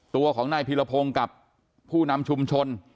ตัวของนายพีรพงศ์กับผู้นำชุมชน